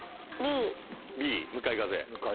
Ｂ「向かい風」。